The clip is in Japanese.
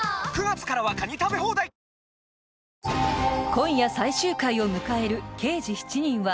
今夜最終回を迎える「刑事７人」は。